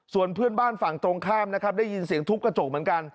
ส่วนเพื่อนบ้านฝั่งตรงข้ามนะครับได้ยินเสียงทุบกระจกเหมือนกัน